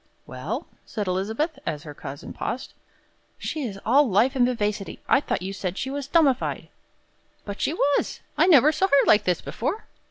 "Well?" said Elizabeth, as her cousin paused. "She is all life and vivacity. I thought you said she was 'dummified.'" "But she was. I never saw her like this before."